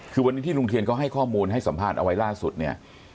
คือวันนี้ที่ลุงเทียนเขาให้ข้อมูลให้สัมภาษณ์เอาไว้ล่าสุดเนี่ย